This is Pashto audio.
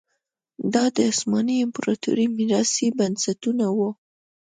دا د عثماني امپراتورۍ میراثي بنسټونه وو.